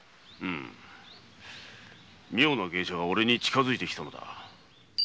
うむ妙な芸者がおれに近づいてきたのだ。